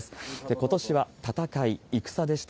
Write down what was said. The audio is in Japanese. ことしは戦い、戦でした。